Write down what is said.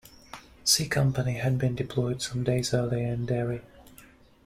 C company had been deployed some days earlier in Derry.